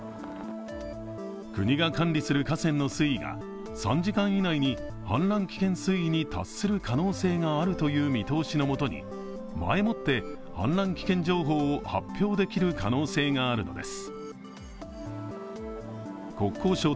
国が管理する河川の水位が３時間以内に氾濫危険水位に達する可能性があるという見通しのもとに、前もって、氾濫危険情報を発表できる可能性があるのです。